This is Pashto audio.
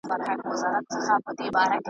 زه به خرڅ نشم هیڅکله په روپو